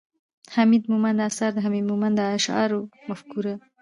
،حميد مومند اثار، د حميد مومند د اشعارو مفکوره